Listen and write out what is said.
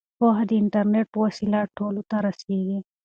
پوهه د انټرنیټ په وسیله ټولو ته رسیږي.